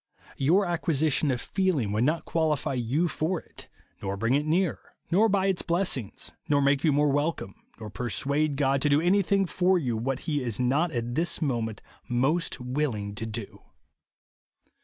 Your acquisition of feeling would not qua lify you for it, nor bring it nearer, nor buy its blessings, nor make you more wel eome, nor persuade God to do anything for you what he is not at this moment most willing to do.